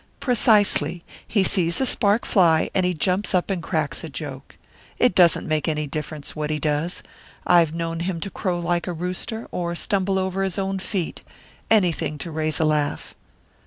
"Precisely. He sees a spark fly, and he jumps up and cracks a joke. It doesn't make any difference what he does I've known him to crow like a rooster, or stumble over his own feet anything to raise a laugh."